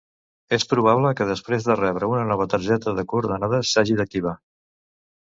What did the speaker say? És probable que després de rebre una nova targeta de coordenades s'hagi d'activar.